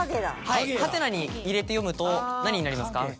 ハテナに入れて読むと何になりますか？